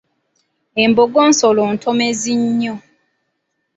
Embogo nsolo ntomezi nnyo.